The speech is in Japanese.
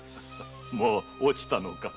もう落ちたのか？